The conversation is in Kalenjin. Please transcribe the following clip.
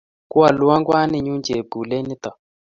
Koalwo kwaninnyu chepkulet nitok